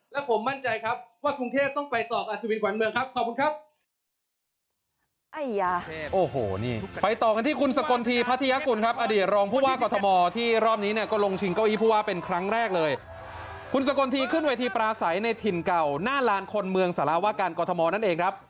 และผมมั่นใจครับว่ากรุงเทพต้องไปต่อกับอัศวินขวัญเมืองครับขอบคุณครับ